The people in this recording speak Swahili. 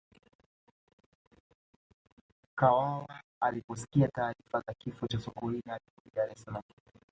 kawawa aliposikia taarifa za kifo cha sokoine alirudi dar es Salaam